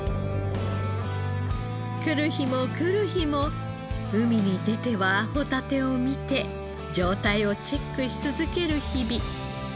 来る日も来る日も海に出てはホタテを見て状態をチェックし続ける日々。